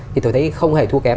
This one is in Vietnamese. thì tôi thấy không hề thua kém